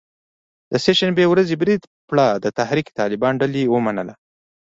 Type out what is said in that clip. د سه شنبې ورځې برید پړه د تحریک طالبان ډلې ومنله